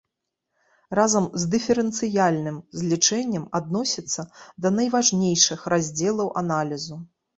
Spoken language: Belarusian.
Разам з дыферэнцыяльным злічэннем адносіцца да найважнейшых раздзелаў аналізу.